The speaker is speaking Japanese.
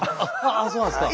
ああそうなんですか。